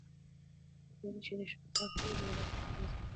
پرېکړې چې شفافې وي د ولس اعتماد زیاتوي